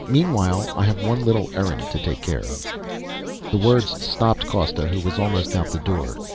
Meanwhile I have one little errand to take care of." The words stopped Costa, who was almost out the door.